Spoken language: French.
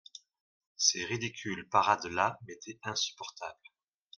Ces ridicules parades-là m'étaient insupportables.